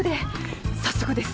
早速です。